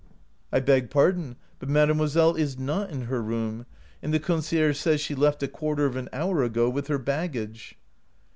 "' I beg pardon, but mademoiselle is not in her room, and the concierge says she left a quarter of an hour ago with her baggage.'